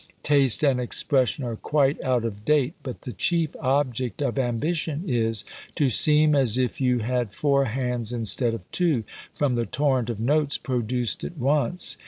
Taste and expression are quite out of date, but the chief object of ambition is, to seem as if you had four hands instead of two, from the torrent of notes produced at once.